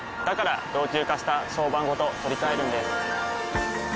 から老朽化した床版ごと取り替えるんです。